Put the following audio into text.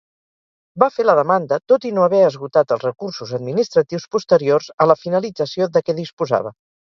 Va fer la demanda, tot i no haver esgotat els recursos administratius posteriors a la finalització de què disposava.